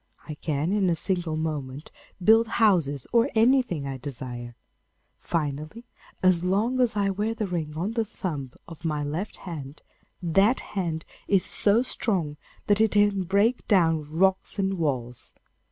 I can in a single moment build houses or anything I desire. Finally, as long as I wear the ring on the thumb of my left hand, that hand is so strong that it can break down rocks and walls.